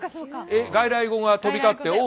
外来語が飛び交ってオー！